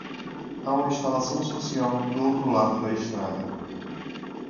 Há uma instalação social do outro lado da estrada.